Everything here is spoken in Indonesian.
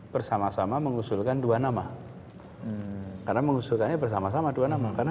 bersama sama mengusulkan dua nama karena mengusulkannya bersama sama dua nama karena